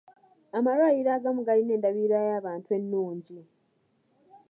Amalwaliro agamu galina endabirira y'abantu ennungi.